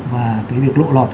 và cái việc lộ lọt